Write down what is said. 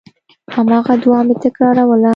هماغه دعا مې تکراروله.